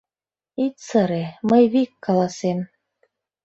Ит сыре, мый вик каласем.